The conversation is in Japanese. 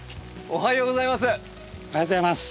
おはようございます。